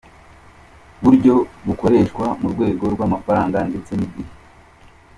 buryo bukoreshwa mu rwego rw’amafaranga ndetse n’igihe.